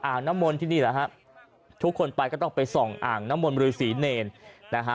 น้ำมนต์ที่นี่แหละฮะทุกคนไปก็ต้องไปส่องอ่างน้ำมนตรีศรีเนรนะฮะ